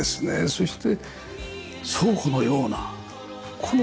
そして倉庫のようなこの空間。